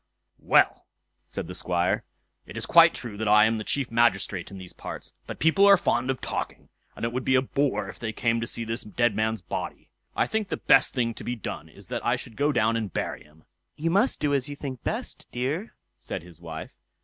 "Well", said the Squire, "it is quite true that I am the chief magistrate in these parts; but people are fond of talking, and it would be a bore if they came to see this dead man's body. I think the best thing to be done is that I should go down and bury him." "You must do as you think best, dear", said his wife.